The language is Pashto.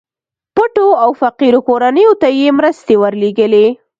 پټو او فقيرو کورنيو ته يې مرستې ورلېږلې.